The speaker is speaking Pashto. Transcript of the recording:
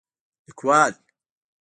لیکوال: